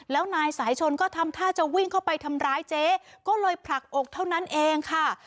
แล้วนายสายชนก็ทำท่าจะวิ่งเข้าไปทำร้ายเจ๊ก็เลยผลักอกเท่านั้นเองค่ะ